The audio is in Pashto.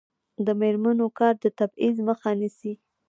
د میرمنو کار د تبعیض مخه نیسي.